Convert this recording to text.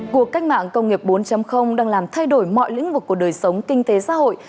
cuộc cách mạng công nghiệp bốn đang làm thay đổi mọi lĩnh vực của đời sống kinh tế xã hội